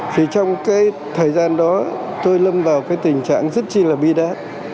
thì trong cái thời gian đó tôi lâm vào cái tình trạng rất chi là bi đát